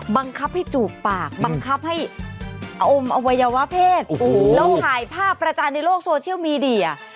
บังคับให้จูบปากบังคับให้อมอวัยวะเพศแล้วถ่ายภาพประจานในโลกโซเชียลมีเดีย